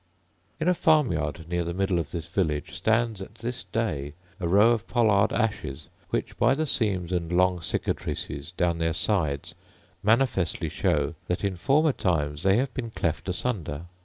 In a farm yard near the middle of this village stands, at this day, a row of pollard ashes, which, by the seams and long cicatrices down their sides, manifestly show that, in former times, they have been cleft asunder.